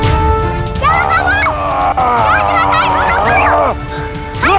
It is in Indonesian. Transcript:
kepala kujang kempar